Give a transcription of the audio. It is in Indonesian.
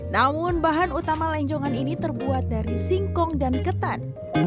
namun bahan utama lenjongan ini terbuat dari singkong dan ketan